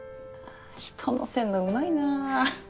人乗せんのうまいな。